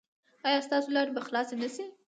ایا ستاسو لارې به خلاصې نه شي؟